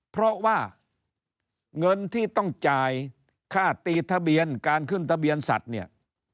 เพราะว่าเงินที่ต้องจ่ายค่าตีทะเบียนการขึ้นทะเบียนสัตว์เนี่ย